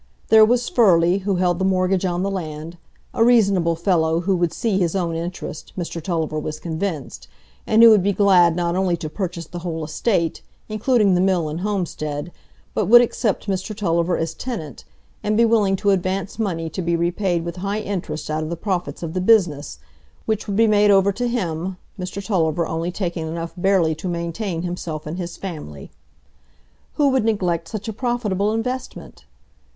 There was Furley, who held the mortgage on the land,—a reasonable fellow, who would see his own interest, Mr Tulliver was convinced, and who would be glad not only to purchase the whole estate, including the mill and homestead, but would accept Mr Tulliver as tenant, and be willing to advance money to be repaid with high interest out of the profits of the business, which would be made over to him, Mr Tulliver only taking enough barely to maintain himself and his family. Who would neglect such a profitable investment?